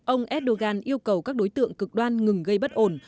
ông erdogan yêu cầu các đối tượng cực đoan ngừng gây bất ổn